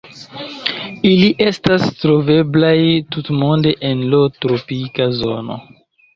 Ili estas troveblaj tutmonde en lo tropika zono.